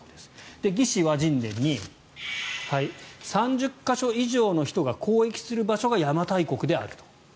「魏志倭人伝」に３０か所以上の人が交易する場所が邪馬台国であると。